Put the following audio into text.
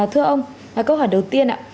thưa ông câu hỏi đầu tiên